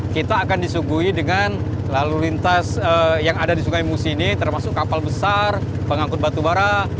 kita akan disuguhi dengan lalu lintas yang ada di sungai musi ini termasuk kapal besar pengangkut batu bara